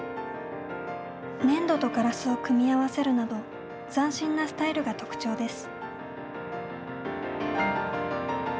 粘土とガラスを組み合わせるなど斬新なスタイルが特徴です。